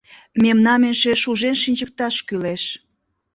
Мемнам эше шужен шинчыкташ кӱлеш.